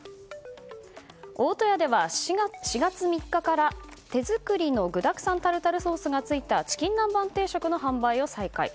大戸屋では４月３日から手作りの具だくさんタルタルソースがついたチキン南蛮定食の販売を再開。